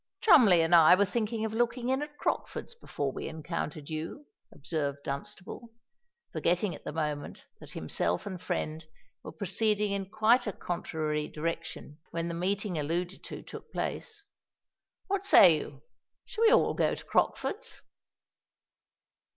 "Cholmondeley and I were thinking of looking in at Crockford's before we encountered you," observed Dunstable, forgetting at the moment that himself and friend were proceeding in quite a contrary direction when the meeting alluded to took place. "What say you? shall we all go to Crockford's?"